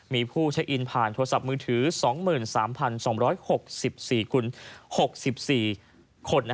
มีผู้ใช้อินผ่านโทรศัพท์มือถือ๒๓๒๖๔๖๔คน